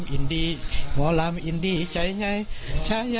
เพลงที่สุดท้ายเสียเต้ยมาเสียชีวิตค่ะ